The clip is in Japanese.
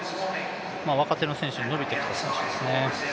若手の選手、伸びてきた選手ですね